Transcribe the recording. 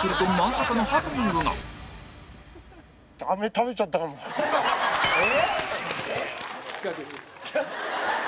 するとまさかのハプニングがえっ！？